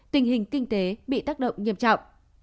tình hình kinh tế bị tác động nghiêm trọng